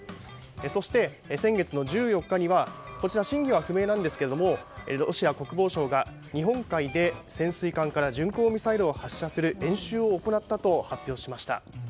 そして、先月の１４日にはこちら、真偽は不明なんですがロシア国防省が日本海で潜水艦から巡航ミサイルを発射する演習を行ったと発表しました。